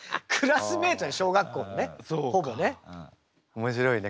面白いね。